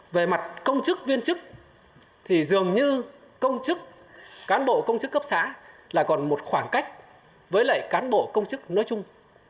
về mặt công chức viên chức thì dường như công chức cán bộ công chức cấp xã là còn một khoảng cách với lại cán bộ công chức nói chung